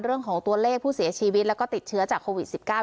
เรื่องของตัวเลขผู้เสียชีวิตและติดเชื้อจากโควิดสิบเก้า